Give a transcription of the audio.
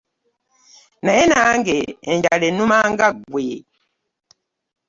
Naye nange enjala ennuma nga ggwe.